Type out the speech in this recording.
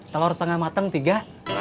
telur setengah mateng tiga